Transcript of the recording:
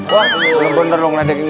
wah bener bener ngelagakin gua nih